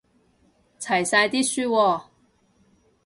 齊晒啲書喎